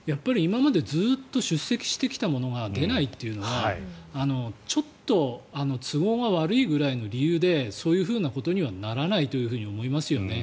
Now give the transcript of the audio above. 今までずっと出席していたのに出ないというのはちょっと都合が悪いぐらいの理由でそういうことにはならないと思いますよね。